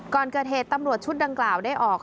ก่อนเกิดเหตุตำรวจชุดดังกล่าวได้ออก